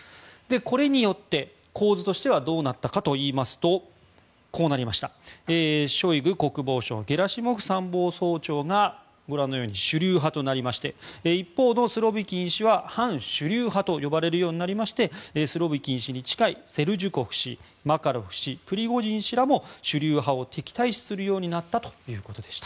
これによって、構図としてはどうなったかといいますとショイグ国防相ゲラシモフ参謀総長が主流派となりまして一方のスロビキン氏は反主流派と呼ばれるようになりましてスロビキン氏に近いセルジュコフ氏マカロフ氏、プリゴジン氏らも主流派を敵対視するようになったということでした。